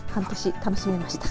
楽しめました。